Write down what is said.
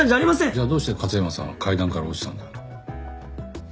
じゃあどうして勝山さんは階段から落ちたんだ？